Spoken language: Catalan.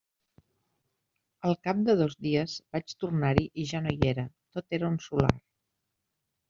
Al cap de dos dies vaig tornar-hi i ja no hi era: tot era un solar.